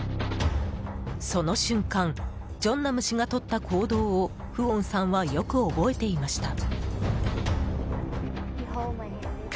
その瞬間、正男氏がとった行動をフオンさんはよく覚えていました。